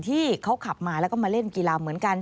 ที่เขาขับมาแล้วก็มาเล่นกีฬาเหมือนกัน